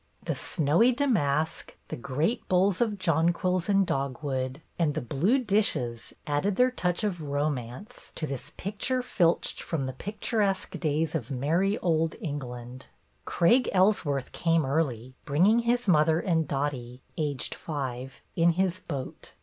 The snowy damask, the great bowls of jon quils and dogwood, and the blue dishes, added their touch of romance to this picture filched NODS, BECKS, AND SMILES 75 from the picturesque days of Merrie Old England. Craig Ellsworth came early, bringing his mother and Dottie (aged five) in his boat.